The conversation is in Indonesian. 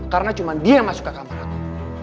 karena cuma dia yang masuk ke kamar aku